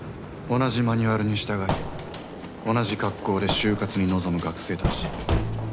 同じマニュアルに従い同じ格好で就活に臨む学生たち。